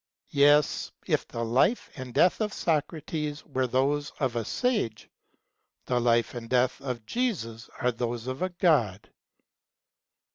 Yes, if the life and death of Socrates were those of a sage, the life and death of Jesus are those of a God.